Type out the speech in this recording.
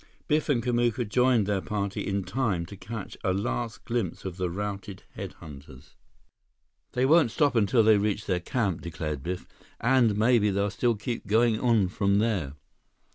Biff and Kamuka joined their party in time to catch a last glimpse of the routed head hunters. "They won't stop until they reach their camp," declared Biff, "and maybe they'll still keep on going from there."